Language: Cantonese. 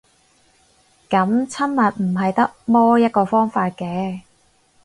噉親密唔係得摸一個方法嘅